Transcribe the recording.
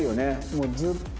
もう「ずっと」